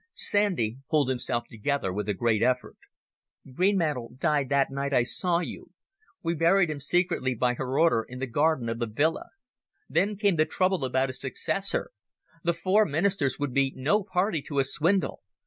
Sandy pulled himself together with a great effort. "Greenmantle died that night I saw you. We buried him secretly by her order in the garden of the villa. Then came the trouble about his successor ... The four Ministers would be no party to a swindle.